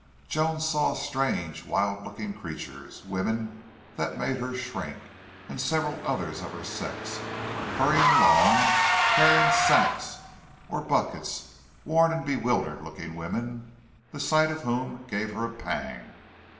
Joan saw strange, wild looking creatures women that made her shrink; and several others of her sex, hurrying along, carrying sacks or buckets, worn and bewildered looking women, the sight of whom gave her a pang.